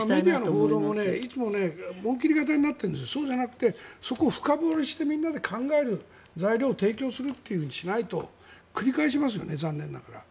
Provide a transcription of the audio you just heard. メディアの報道もいつも紋切り型になっているけどそうじゃなくてそこを深掘りしてみんなで考える材料を提供するというふうにしないと残念ながら繰り返しますよね。